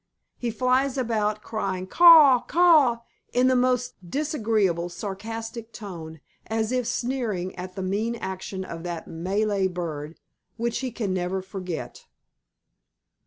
He flies about crying "Caw! Caw!" in the most disagreeable, sarcastic tone, as if sneering at the mean action of that Malay bird, which he can never forget.